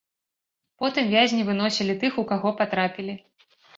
Потым вязні выносілі тых, у каго патрапілі.